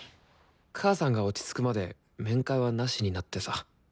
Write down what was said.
母さんが落ち着くまで面会はなしになってさ。